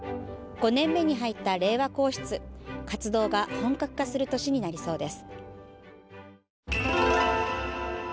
５年目に入った令和皇室、活動が本格化する年になりそうです。